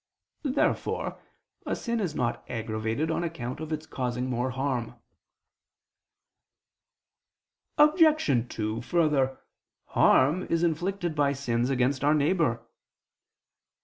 Therefore a sin is not aggravated on account of its causing more harm. Obj. 2: Further, harm is inflicted by sins against our neighbor.